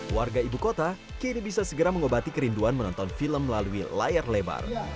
warga ibu kota kini bisa segera mengobati kerinduan menonton film melalui layar lebar